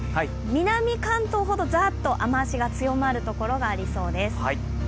南関東ほどザーッと雨足が強まるところがありそうです。